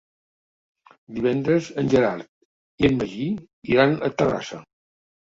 Divendres en Gerard i en Magí iran a Terrassa.